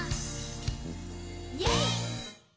「イェイ！」